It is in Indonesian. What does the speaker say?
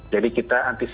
jadi kita antisipasi